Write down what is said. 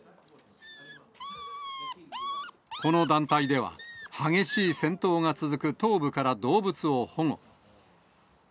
この団体では、激しい戦闘が続く東部から動物を保護。